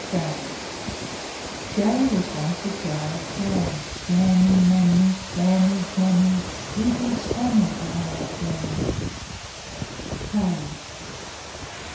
J j J was once a jar of jam, Jammy, Mammy, Clammy, Jammy, Sweety, swammy, Jar of jam!